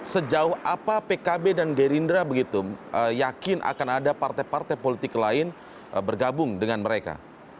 sejauh apa pkb dan gerindra begitu yakin akan ada partai partai politik lain bergabung dengan mereka